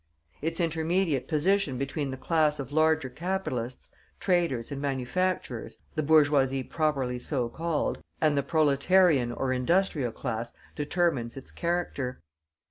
Its intermediate position between the class of larger capitalists, traders, and manufacturers, the bourgeoisie properly so called, and the proletarian or industrial class, determines its character.